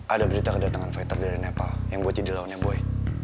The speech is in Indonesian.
ada berita kedatangan veter dari nepal yang buat jadi lawannya boy